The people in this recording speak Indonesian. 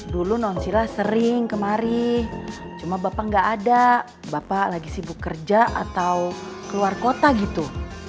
dulu non sila sering kemari cuma bapak nggak ada bapak lagi sibuk kerja atau keluar kota gitu